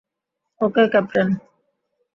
ওকে, captain.